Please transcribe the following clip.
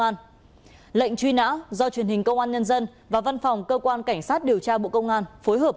an lệnh truy nã do truyền hình công an nhân dân và văn phòng cơ quan cảnh sát điều tra bộ công an phối hợp